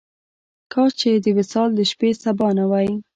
کاش چې د وصال د شپې سبا نه وای.